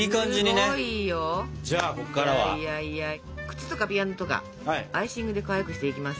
くつとかピアノとかアイシングでかわいくしていきます。